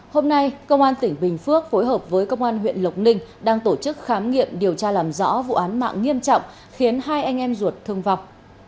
hôm nay công an tỉnh bình phước phối hợp với công an huyện lộc ninh đang tổ chức khám nghiệm điều tra làm rõ vụ án mạng nghiêm trọng khiến hai anh em ruột thương vọc